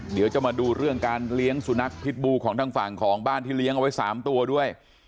เดี๋ยวจะมาดูเรื่องการเลี้ยงสุนัขพิษบูของทางฝั่งของบ้านที่เลี้ยงเอาไว้๓ตัวด้วย